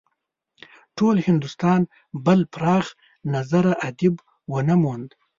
ټول هندوستان بل پراخ نظره ادیب ونه موند.